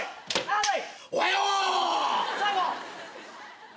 はい。